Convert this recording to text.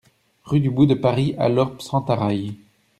Rue du Bout de Paris à Lorp-Sentaraille